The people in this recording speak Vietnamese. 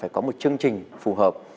phải có một chương trình phù hợp